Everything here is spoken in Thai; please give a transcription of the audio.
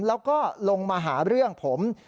แล้วก็ลงมาหาเรื่องผม